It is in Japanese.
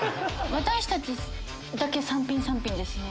私たちだけ３品３品ですね。